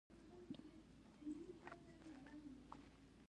ساره هره خبره تر ژبې لاندې وایي.